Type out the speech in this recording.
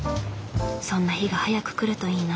そんな日が早く来るといいな。